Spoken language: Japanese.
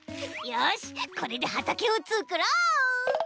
よしこれではたけをつくろう！